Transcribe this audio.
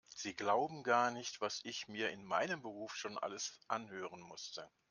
Sie glauben gar nicht, was ich mir in meinem Beruf schon alles anhören musste.